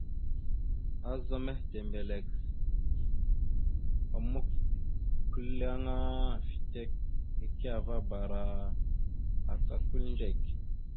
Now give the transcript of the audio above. Azzá mehitembelek a mʉkʉleŋá fitek ekeveabara aka kʉliŋdzek.